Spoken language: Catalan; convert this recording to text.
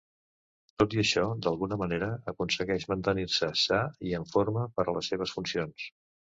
Tot i això, d'alguna manera aconsegueix mantenir-se sa i en forma per a les seves funcions.